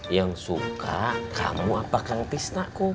yang suka kamu apa kang tisnak kum